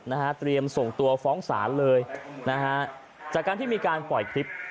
นะฮะเตรียมส่งตัวฟ้องศาลเลยนะฮะจากการที่มีการปล่อยคลิป